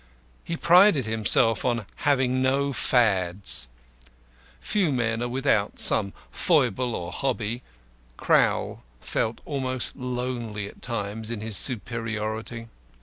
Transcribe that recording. He prided himself on having no fads. Few men are without some foible or hobby; Crowl felt almost lonely at times in his superiority.